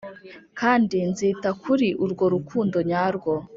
kandi nzita kuri urwo rukundo nyarwo,